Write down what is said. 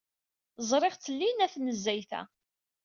Ẓriɣ-tt llinna, tanezzayt-a.